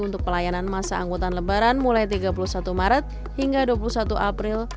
untuk pelayanan masa angkutan lebaran mulai tiga puluh satu maret hingga dua puluh satu april